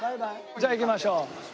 じゃあ行きましょう。